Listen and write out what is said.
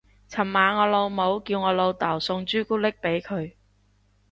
尋晚我老母叫我老竇送朱古力俾佢